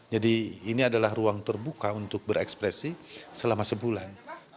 jadi ini adalah ruang terbuka untuk berekspresi selama sebulan